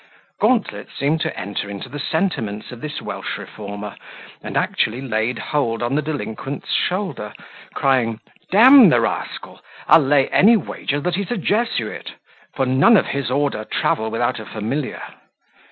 Gauntlet seemed to enter into the sentiments of this Welsh reformer, and actually laid hold on the delinquent's shoulder, crying, "D n the rascal! I'll lay any wager that he's a Jesuit; for none of his order travel without a familiar."